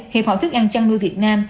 hiệp hội thức ăn chăn nuôi việt nam